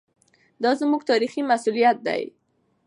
دا زموږ تاریخي مسوولیت دی.